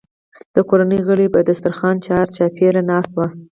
د کورنۍ غړي به د دسترخوان چارچاپېره ناست وو.